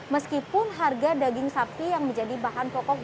meskipun harga daging sapi yang menjadi bahan pokok